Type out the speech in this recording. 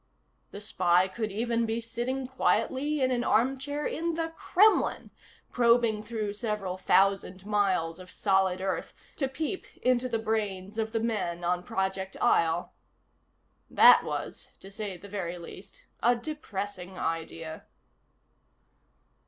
The spy could even be sitting quietly in an armchair in the Kremlin, probing through several thousand miles of solid earth to peep into the brains of the men on Project Isle. That was, to say the very least, a depressing idea.